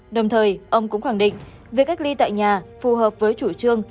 đồng thời ông cũng khẳng định việc cách ly tại nhà phù hợp với chủ trương